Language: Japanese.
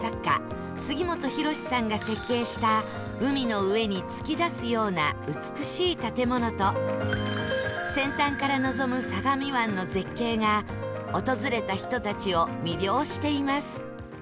杉本博司さんが設計した海の上に突き出すような美しい建物と先端から望む相模湾の絶景が訪れた人たちを魅了しています